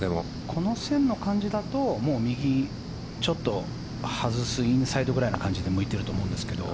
この線の感じだと右にちょっと外すインサイドぐらいな感じが向いていると思うんですが。